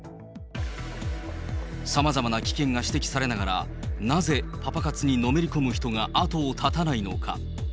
さまざまな危険が指摘されながら、なぜ、パパ活にのめり込む人が後を絶たないのか。